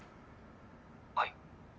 はい。